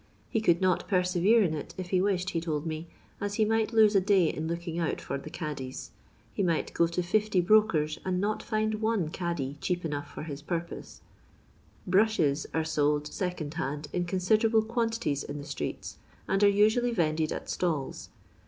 He could not persevere in it if he wished, he told me, as he might lose a day in looking out for the caddies ; he might go to fifty brokers and not find one caddy cheap enough for his purpose. Jit'HsUs are sold second hand in considerable quantities in the streets, and are usually vended at stalls.